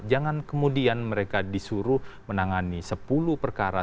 jangan kemudian mereka disuruh menangani sepuluh perkara